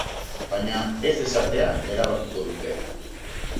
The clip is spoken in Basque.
Baina ez esatea erabakiko dute.